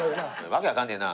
訳わかんねえな。